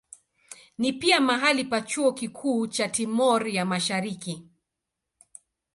Ni pia mahali pa chuo kikuu cha Timor ya Mashariki.